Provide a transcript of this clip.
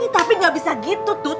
tapi gak bisa gitu tuh